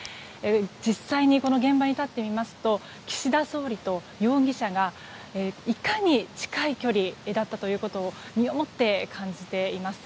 実際にこの現場に立ってみますと岸田総理と容疑者がいかに近い距離だったということを身をもって感じています。